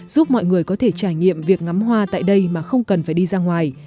giúp mọi người có thể trải nghiệm việc ngắm hoa tại đây mà không cần phải đi ra ngoài